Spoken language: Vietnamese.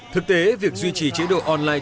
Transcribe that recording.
thực tế việc duy trì chế độ online